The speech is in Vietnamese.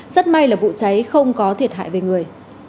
rất may là vụ cháy không có thiệt hại về người